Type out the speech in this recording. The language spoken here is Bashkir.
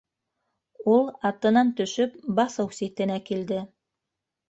Ул, атынан төшөп, баҫыу ситенә килде.